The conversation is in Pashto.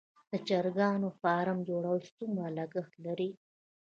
د چرګانو فارم جوړول څومره لګښت لري؟